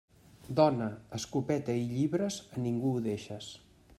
Dona, escopeta i llibres, a ningú ho deixes.